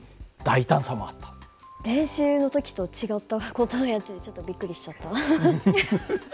練習の時と違った事をやっててちょっとびっくりしちゃった。